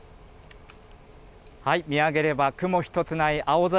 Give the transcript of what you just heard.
見上げれば雲一つない青空。